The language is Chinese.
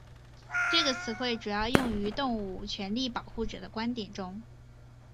这个词汇主要使用于动物权利保护者的观点中。